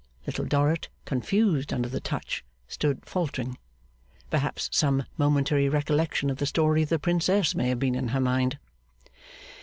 Little Dorrit, confused under the touch, stood faltering. Perhaps some momentary recollection of the story of the Princess may have been in her mind.